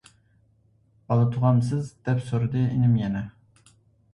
-بالا تۇغامسىز؟ -دەپ سورىدى ئىنىم يەنە.